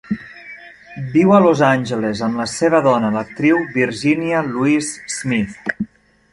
Viu a Los Angeles amb la seva dona, l'actriu Virginia Louise Smith.